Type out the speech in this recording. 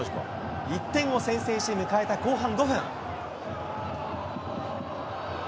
１点を先制し迎えた後半５分。